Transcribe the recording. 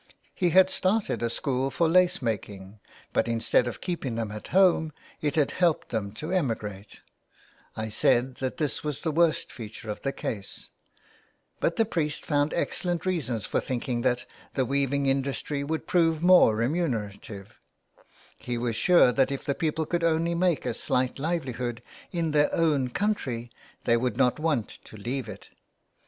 He had started a school for lace making, but instead of keeping them at home it had helped them to emigrate ; I said that this was the worst feature of the case, but the priest found excellent reasons for thinking that the weaving industry would prove more remunerative ; he was sure that if the people could only make a slight livelihood in their own country they would not want to leave it.